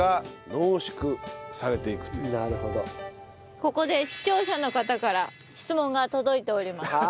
ここで視聴者の方から質問が届いております。